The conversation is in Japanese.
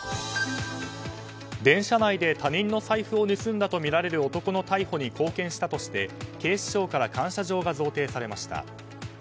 電車内で他人の財布を盗んだとみられる男の逮捕に貢献したとして、警視庁から感謝状が贈呈されました。